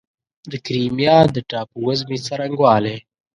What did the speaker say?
د کریمیا د ټاپووزمې څرنګوالی